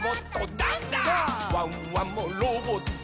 「ワンワンもロボット」